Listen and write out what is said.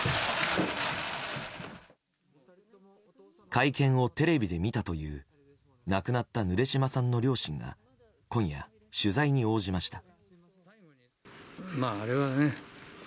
会見をテレビで見たという亡くなったヌデシマさんの両親が今夜取材に応じました。